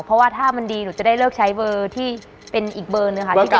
เพราะว่าถ้ามันดีหนูจะได้เลิกใช้เบอร์ที่เป็นอีกเบอร์หนึ่งค่ะ